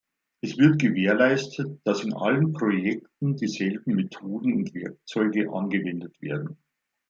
Es wird gewährleistet, dass in allen Projekten dieselben Methoden und Werkzeuge angewendet werden.